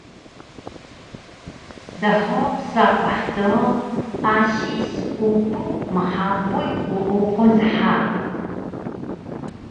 Dhuq sapah do asi seupu mhapuy uuqun dha